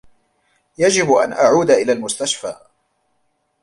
يجب أن أعود الى المستشفى.